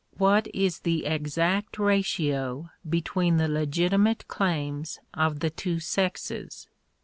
What is the exact ratio between the legitimate claims of the two sexes